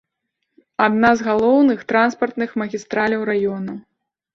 Адна з галоўных транспартных магістраляў раёна.